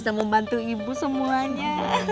bisa membantu ibu semuanya